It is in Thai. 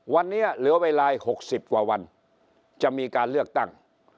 วันนี้เหลือเวลา๖๐กว่าวันจะมีการเลือกตั้ง